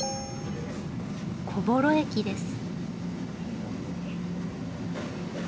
小幌駅です。